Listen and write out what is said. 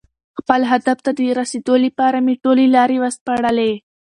خپل هدف ته د رسېدو لپاره مې ټولې لارې وسپړلې.